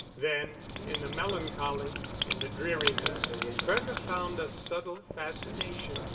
Then, in the melancholy, in the dreariness, Bertha found a subtle fascination.